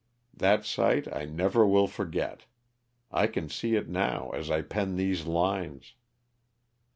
That sight I never will forget. I can see it now as I pen these lines.